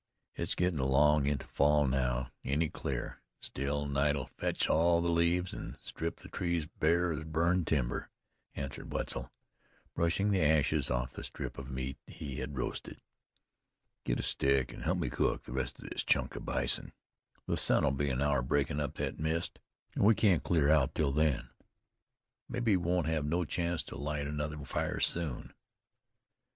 It's gettin' along into fall now. Any clear, still night'll fetch all the leaves, an' strip the trees bare as burned timber," answered Wetzel, brushing the ashes off the strip of meat he had roasted. "Get a stick, an' help me cook the rest of this chunk of bison. The sun'll be an hour breakin' up thet mist, an' we can't clear out till then. Mebbe we won't have no chance to light another fire soon."